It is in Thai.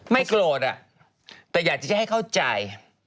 ไม่โกรธอะแต่อยากจะให้เข้าใจ